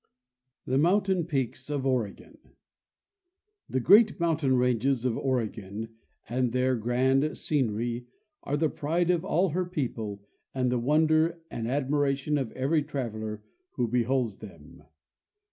The Mountain Peaks of Oregon. The great mountain ranges of Oregon and their grand scenery are the pride of all her people and the wonder and admiration of every traveler who beholds them.